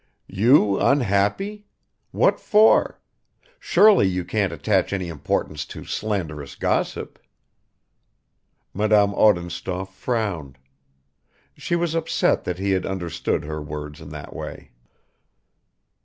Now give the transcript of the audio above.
"You unhappy! What for? Surely you can't attach any importance to slanderous gossip!" Madame Odintsov frowned. She was upset that he had understood her words in that way.